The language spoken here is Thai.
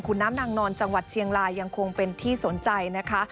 คุณน้ำนางนอนจังหวัดเชียงรายยังคงเป็นที่สนใจนะคะ